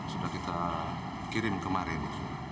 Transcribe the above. sudah kita kirim kemarin